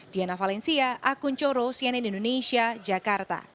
diana valencia akun coro cnn indonesia jakarta